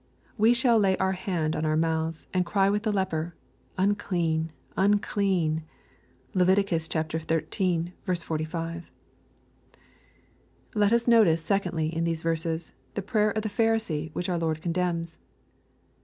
We shall lay our hand on our mouths, and cry with the leper, " Unclean, unclean." (Levit. xiii. 45.) Let us notice, secondly, in these verses, tlie prayer of the Pharisee, which our Lord condemns.